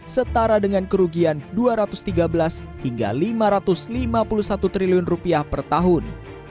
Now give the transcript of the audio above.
setara dengan kerugian rp dua ratus tiga belas hingga lima ratus lima puluh satu triliun per tahun